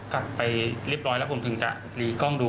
กลับไปเรียบร้อยแล้วผมถึงจะหนีกล้องดู